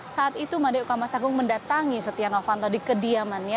saat itu madeo kamasagung mendatangi setia novanto di kediamannya